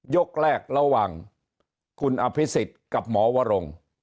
ยกแรกระหว่างคุณอภิษฎกับหมอวรง